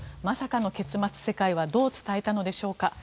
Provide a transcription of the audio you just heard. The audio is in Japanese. まさかの結末、世界はどう伝えたのでしょうか。